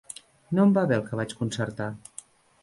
No em va bé el que vaig concertar.